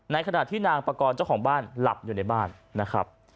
ขณะที่นางปากรเจ้าของบ้านหลับอยู่ในบ้านนะครับ